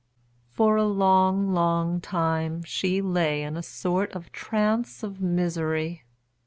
For a long, long time she lay in a sort of trance of misery.